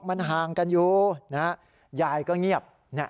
มันห่างกันอยู่นะฮะยายก็เงียบ